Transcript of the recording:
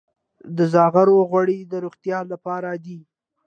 د زغرو غوړي د روغتیا لپاره دي.